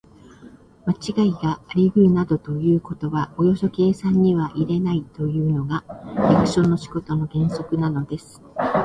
まちがいがありうるなどということはおよそ計算には入れないというのが、役所の仕事の原則なのです。